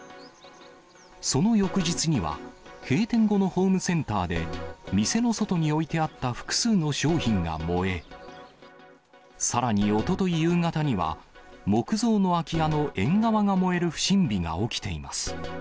その翌日には、閉店後のホームセンターで、店の外に置いてあった複数の商品が燃え、さらにおととい夕方には、木造の空き家の縁側が燃える不審火が起きています。